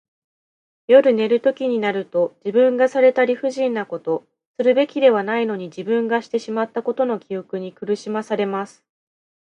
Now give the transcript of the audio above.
夜寝るときになると、自分がされた理不尽なこと、するべきではないのに自分がしてしまったことの記憶に苦しまされます。